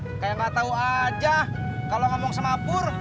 ya kayak gak tau aja kalau ngomong sama pur